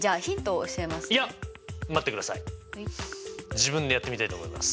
自分でやってみたいと思います。